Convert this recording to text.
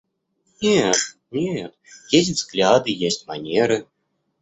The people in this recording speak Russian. Нет, нет, есть взгляды, есть манеры.